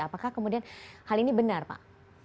apakah kemudian hal ini benar pak